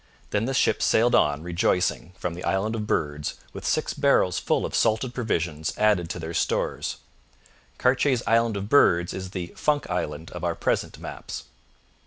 Then the ships sailed on rejoicing from the Island of Birds with six barrels full of salted provisions added to their stores. Cartier's Island of Birds is the Funk Island of our present maps.